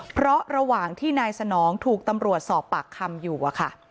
เพราะระหว่างที่นายสนองถูกตำรวจสอบปากคำอยู่อะค่ะ